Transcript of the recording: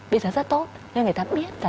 bây giờ rất tốt nên người ta biết